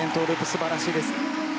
素晴らしいです！